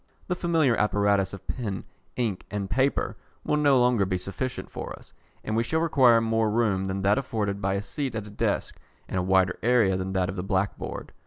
The familiar apparatus of pen, ink, and paper will no longer be sufficient for us, and we shall require more room than that afforded by a seat at a desk, and a wider area than that of the black board.